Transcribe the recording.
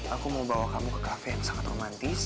aku mau bawa kamu ke kafe yang sangat romantis